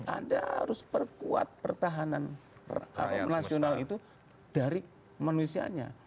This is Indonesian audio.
anda harus perkuat pertahanan nasional itu dari manusianya